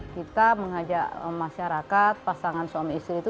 kita mengajak masyarakat pasangan suami istri itu